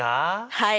はい。